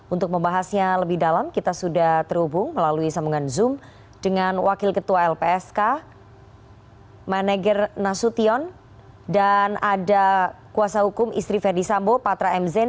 untuk membahasnya lebih dalam kita sudah terhubung melalui sambungan zoom dengan wakil ketua lpsk maneger nasution dan ada kuasa hukum istri verdi sambo patra mzen